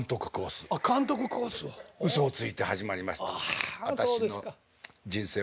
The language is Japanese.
私の人生はうそをついて始まりました。